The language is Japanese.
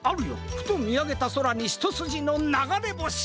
ふとみあげたそらにひとすじのながれぼし！